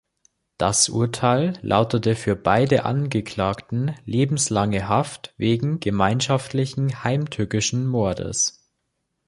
Das Urteil lautete für beide Angeklagten lebenslange Haft wegen gemeinschaftlichen heimtückischen Mordes.